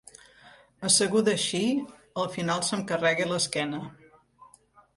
Asseguda així, al final se'm carrega l'esquena.